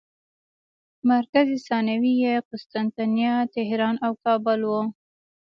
مرکز ثانوي یې قسطنطنیه، طهران او کابل وو.